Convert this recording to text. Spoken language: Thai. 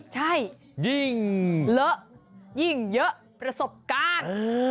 ใช่ยิ่งเลอะยิ่งเยอะประสบการณ์